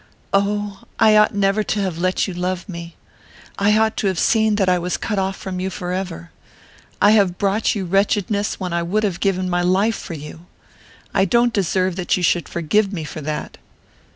"Oh, I ought never to have let you love me! I ought to have seen that I was cut off from you forever. I have brought you wretchedness when I would have given my life for you! I don't deserve that you should forgive me for that."